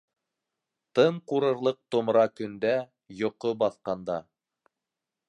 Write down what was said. Тын ҡурырлыҡ томра көндә, Йоҡо баҫҡанда